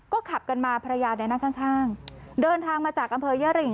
ก็ขับกันมาภรรยาในหน้าข้างข้างเดินทางมาจากอำเภยเยอะริง